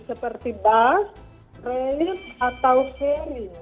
seperti bus relit atau ferry